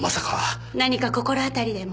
何か心当たりでも？